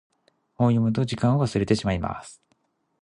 本を読むと時間を忘れてしまいます。